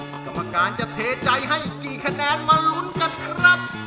กรรมการจะเทใจให้กี่คะแนนมาลุ้นกันครับ